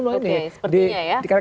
oke sepertinya ya